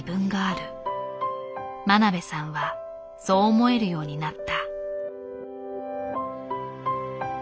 真鍋さんはそう思えるようになった。